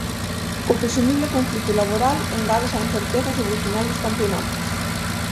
O presumible conflito laboral engádase á incerteza sobre o final dos campionatos.